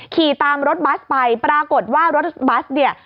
ขี่ตามรถบัสไปปรากฏว่ารถบัสเนี่ย